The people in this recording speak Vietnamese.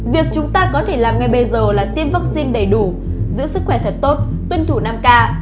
việc chúng ta có thể làm ngay bây giờ là tiêm vaccine đầy đủ giữ sức khỏe thật tốt tuân thủ năm k